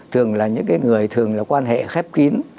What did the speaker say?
thường là những cái người thường là quan hệ khép kín